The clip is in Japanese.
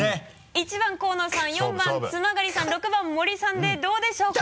１番河野さん４番津曲さん６番森さんでどうでしょうか？